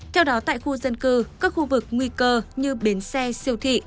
theo đó tại khu dân cư các khu vực nguy cơ như bến xe siêu thị